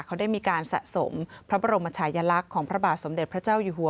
เขาได้มีการสะสมพระบรมชายลักษณ์ของพระบาทสมเด็จพระเจ้าอยู่หัว